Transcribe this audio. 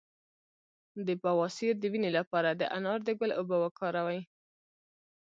د بواسیر د وینې لپاره د انار د ګل اوبه وکاروئ